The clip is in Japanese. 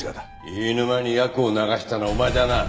飯沼にヤクを流したのはお前だな。